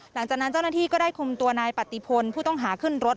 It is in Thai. หลังจากนั้นเจ้าหน้าที่ก็ได้คุมตัวนายปฏิพลผู้ต้องหาขึ้นรถ